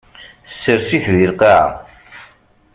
Sers-it deg lqaɛa.